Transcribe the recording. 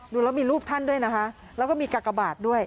ดูแล้วมีรูปท่านด้วยนะคะแล้วก็มีกากบาทด้วย